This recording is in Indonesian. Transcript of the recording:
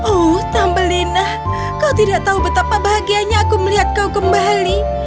oh tambelina kau tidak tahu betapa bahagianya aku melihat kau kembali